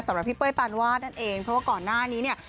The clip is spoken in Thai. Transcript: สำหรับพี่เป้ยปานวาดนั่นเองเพราะว่าก่อนหน้านี้เนี่ย